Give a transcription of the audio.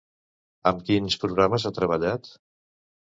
Amb quins programes ha treballat?